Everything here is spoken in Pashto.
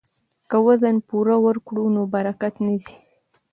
که وزن پوره ورکړو نو برکت نه ځي.